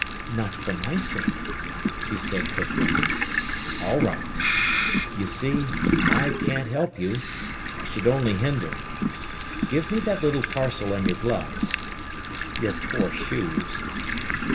"Not for my sake," she said quickly. "All right. You see, I can't help you; I should only hinder. Give me that little parcel and your gloves. Your poor shoes!"